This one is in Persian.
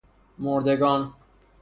مردگان